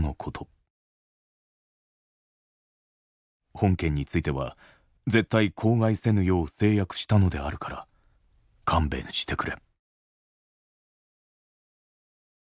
「本件については絶対口外せぬよう誓約したのであるから勘弁してくれ」。